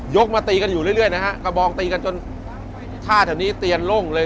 มาตีกันอยู่เรื่อยนะฮะกระบองตีกันจนท่าแถวนี้เตียนโล่งเลย